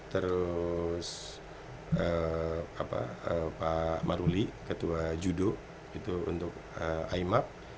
terus pak maruli ketua judo untuk imap